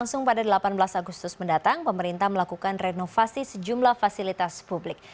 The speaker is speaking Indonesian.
langsung pada delapan belas agustus mendatang pemerintah melakukan renovasi sejumlah fasilitas publik